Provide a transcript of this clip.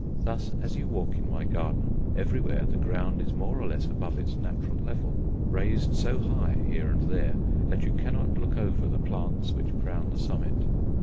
Thus as you walk in my garden, everywhere the ground is more or less above its natural level; raised so high here and there that you cannot look over the plants which crown the summit.